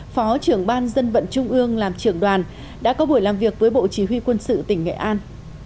phó trưởng ban dân vận trung ương làm trưởng đoàn đã có buổi làm việc với bộ chỉ huy quân sự tỉnh nghệ an